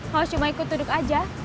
kalau cuma ikut duduk aja